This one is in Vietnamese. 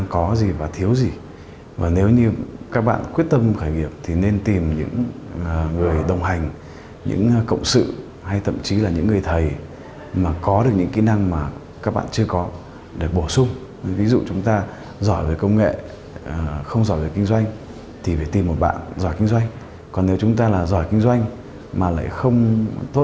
cùng với tinh thần quyết tâm khởi nghiệp